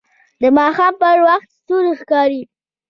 د ماښام په وخت ستوري ښکاري